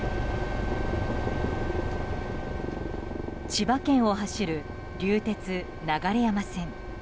千葉県を走る流鉄流山線。